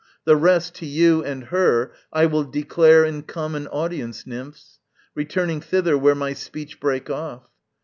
The rest, to you and her I will declare in common audience, nymphs, Returning thither where my speech brake off.